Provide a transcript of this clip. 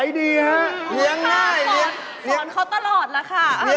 อยู่กับแม่อยู่กับพี่เขาก่อนไหมลูก